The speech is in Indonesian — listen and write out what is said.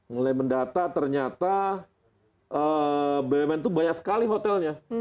mulai mendata ternyata bumn itu banyak sekali hotelnya